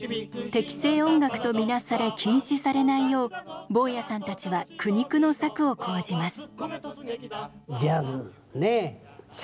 敵性音楽と見なされ禁止されないよう坊屋さんたちは苦肉の策を講じます。